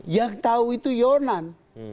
yang tau itu yonan